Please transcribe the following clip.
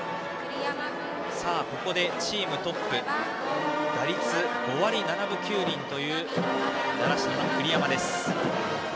ここでチームトップ打率５割７分９厘という習志野の栗山。